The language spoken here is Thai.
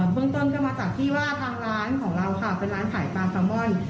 เรื่องต้นก็มาจากที่ว่าทางร้านของเราค่ะเป็นร้านขายปลาซามอน